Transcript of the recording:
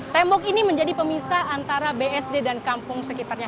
tembok ini menjadi pemisah antara bsd dan kampung sekitarnya